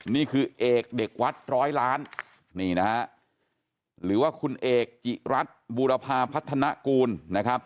นี่คือเอกเด็กวัดร้อยล้านนี่นะฮะหรือว่าคุณเอกจิรัตน์บูรพาพัฒนากูลนะครับ